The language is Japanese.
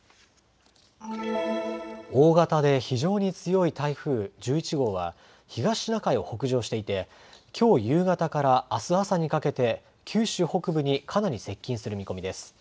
大型で非常に強い台風１１号は東シナ海を北上していてきょう夕方からあす朝にかけて九州北部にかなり接近する見込みです。